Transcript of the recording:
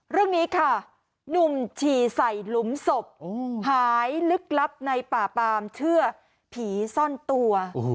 เรื่องนี้ค่ะหนุ่มฉี่ใส่หลุมศพหายลึกลับในป่าปามเชื่อผีซ่อนตัว